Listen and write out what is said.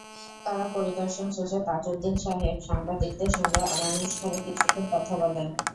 কারা পরিদর্শন শেষে তাজউদ্দীন সাহেব সাংবাদিকদের সঙ্গে অনানুষ্ঠানিক কিছুক্ষণ কথা বলেন।